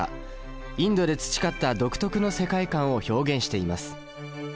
インドで培った独特の世界観を表現しています。